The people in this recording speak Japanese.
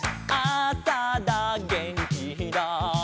「あさだげんきだ」